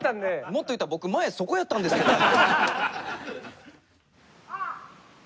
もっと言うたら僕前そこやったんですけどね。